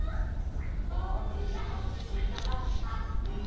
「ぼくらおすしのご・は・ん」